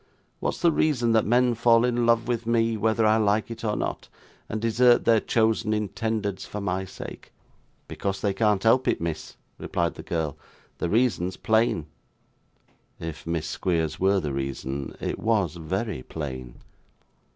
What is the reason that men fall in love with me, whether I like it or not, and desert their chosen intendeds for my sake?' 'Because they can't help it, miss,' replied the girl; 'the reason's plain.' (If Miss Squeers were the reason, it was very plain.)